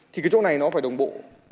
thì cái chỗ này nó phải đồng bộ